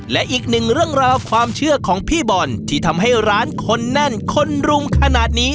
และอีกหนึ่งเรื่องราวความเชื่อของพี่บอลที่ทำให้ร้านคนแน่นคนรุมขนาดนี้